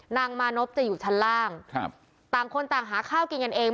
นางมานพจะอยู่ชั้นล่างครับต่างคนต่างหาข้าวกินกันเอง